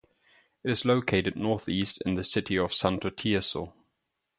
It is located northeast in the city of Santo Tirso.